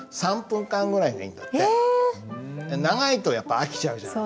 長いとやっぱあきちゃうじゃない。